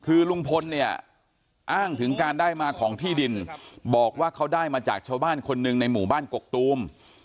คือลุงพลเนี่ยอ้างถึงการได้มาของที่ดินบอกว่าเขาได้มาจากชาวบ้านคนหนึ่งในหมู่บ้านกกตูม